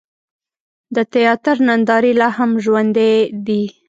د تیاتر نندارې لا هم ژوندۍ دي.